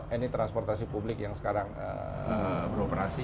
ini transportasi publik yang sekarang beroperasi